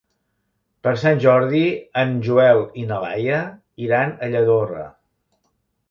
Per Sant Jordi en Joel i na Laia iran a Lladorre.